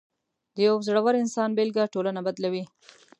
د یو زړور انسان بېلګه ټولنه بدلوي.